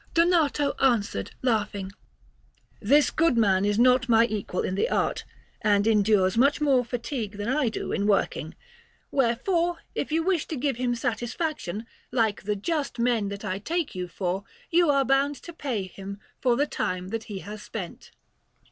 Donato answered, laughing: "This good man is not my equal in the art, and endures much more fatigue than I do in working; wherefore, if you wish to give him satisfaction, like the just men that I take you for, you are bound to pay him for the time that he has spent."